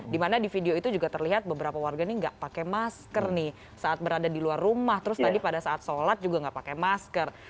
dimana di video itu juga terlihat beberapa warga ini nggak pakai masker nih saat berada di luar rumah terus tadi pada saat sholat juga nggak pakai masker